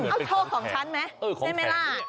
เอาโชว์ของฉันไหมใช่ไหมล่ะ